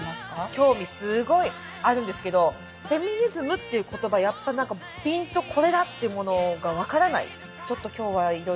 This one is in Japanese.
興味すごいあるんですけどフェミニズムっていう言葉やっぱ何かピンとこれだっていうものが分からない。